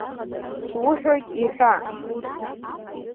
Суҳәоит, иҳәа!